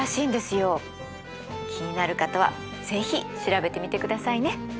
気になる方は是非調べてみてくださいね。